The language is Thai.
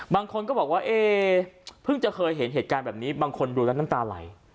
บางคนก็บอกว่าเอ๊เพิ่งจะเคยเห็นเหตุการณ์แบบนี้บางคนดูแล้วน้ำตาไหล